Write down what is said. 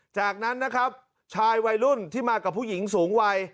จากนั้นนะครับชายวัยรุ่นที่มากับผู้หญิงสูงวัย